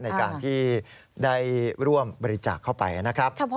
ในการที่ได้ร่วมบริจาคเข้าไปนะครับ